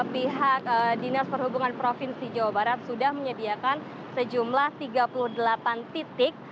pihak dinas perhubungan provinsi jawa barat sudah menyediakan sejumlah tiga puluh delapan titik